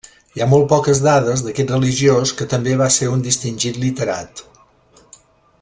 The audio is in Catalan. Hi ha molt poques dades d'aquest religiós que també va ser un distingit literat.